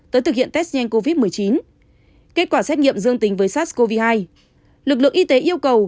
tới thực hiện test nhanh covid một mươi chín kết quả xét nghiệm dương tính với sars cov hai lực lượng y tế yêu cầu